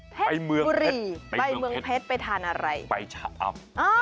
ไปเมืองบุรีไปเมืองเพชรไปทานอะไรไปชะอำ